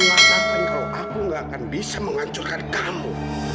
aku gak akan bisa menghancurkan kamu